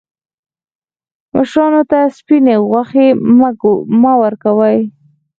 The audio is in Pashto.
مشرانو ته سپیني غوښي مه ورکوئ.